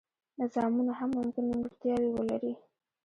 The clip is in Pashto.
نظامونه هم ممکن نیمګړتیاوې ولري.